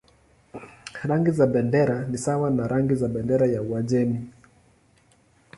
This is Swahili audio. Rangi za bendera ni sawa na rangi za bendera ya Uajemi.